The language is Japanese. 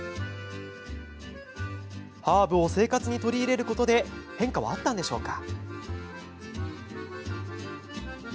ハーブを生活に取り入れることで変化はあったのでしょうか。